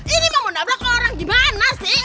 ini mah menabrak orang gimana sih